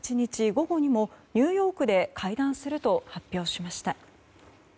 午後にもニューヨークで会談すると発表しました。